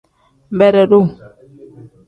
Beredu.